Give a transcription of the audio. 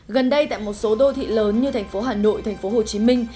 gần đây tại một số đô thị lớn như thành phố hà nội thành phố hồ chí minh